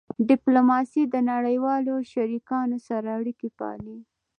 ډیپلوماسي د نړیوالو شریکانو سره اړیکې پالي.